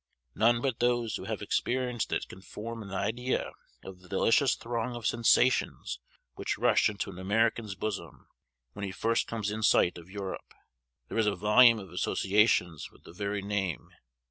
None but those who have experienced it can form an idea of the delicious throng of sensations which rush into an American's bosom, when he first comes in sight of Europe. There is a volume of associations with the very name.